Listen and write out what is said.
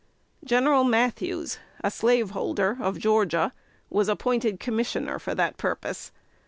Gen. Mathews, a slaveholder of Georgia, was appointed Commissioner for that purpose.